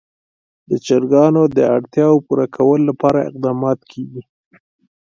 د چرګانو د اړتیاوو پوره کولو لپاره اقدامات کېږي.